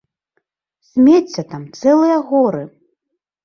Смецця там цэлыя горы!